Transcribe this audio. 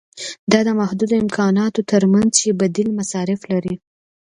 دا د محدودو امکاناتو ترمنځ چې بدیل مصارف لري.